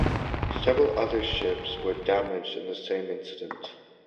Several other ships were damaged in the same incident.